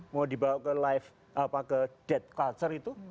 mau dibawa ke dead culture itu